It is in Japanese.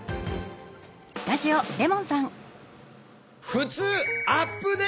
「ふつうアップデート」！